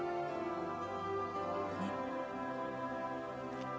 ねっ？